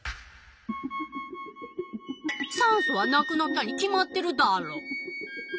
酸素はなくなったに決まってるダロ。